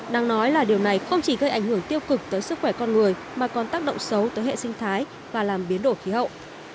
đang nói là điều này không chỉ gây ảnh hưởng tiêu cực tới sức khỏe con người mà còn tác động xấu tới hệ sinh thái và làm biến đổi khí hậu